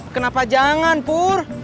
kenapa jangan pur